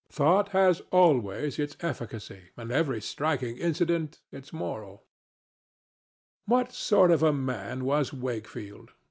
Thought has always its efficacy and every striking incident its moral. What sort of a man was Wakefield?